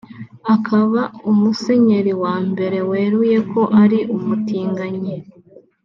akaba umusenyeri wa mbere weruye ko ari umutinganyi